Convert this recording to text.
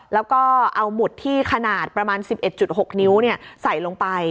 แล้วก็เอาหมุดที่ขนาดประมาณ๑๑๖นิ้วใส่ลงไป